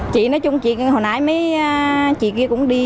chị nói chung hồi nãy mấy chị kia cũng đi